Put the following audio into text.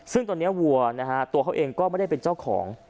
ซึ่งตอนนี้วัวนะฮะตัวเขาเองก็ไม่ได้เป็นเจ้าของ